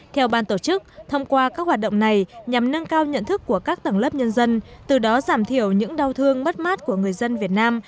theo ban tổ chức thông qua các hoạt động này nhằm nâng cao nhận thức của các tầng lớp nhân dân từ đó giảm thiểu những đau thương mất mát của người dân việt nam